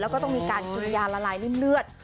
ก็ต้องมีการดูลยาระลายด้วยเลือด